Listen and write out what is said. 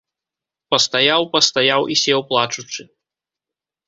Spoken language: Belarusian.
Пастаяў, пастаяў і сеў плачучы.